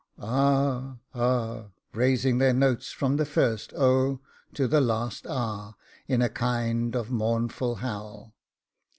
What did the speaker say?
Agh! Agh! raising their notes from the first OH! to the last AGH! in a kind of mournful howl.